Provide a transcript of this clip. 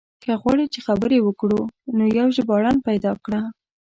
که غواړې چې خبرې وکړو نو يو ژباړن پيدا کړه.